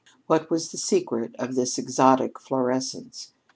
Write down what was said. What was the secret of this exotic florescence?